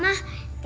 kamu kesini juga